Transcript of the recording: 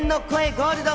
ゴールド。